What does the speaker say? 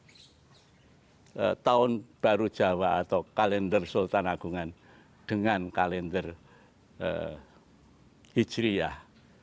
pertama tahun baru jawa atau kalender sultan agungan dengan kalender hijriah